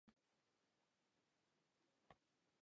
ستاسې رایه داده چې زه زمري یوازې وځوروم؟